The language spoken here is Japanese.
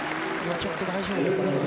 ちょっと大丈夫ですかね。